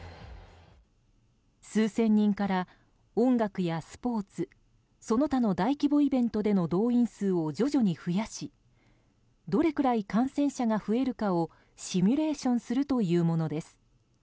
数千人から音楽やスポーツその他の大規模イベントでの動員数を徐々に増やしどれくらい感染者が増えるかをシミュレーションするというものです。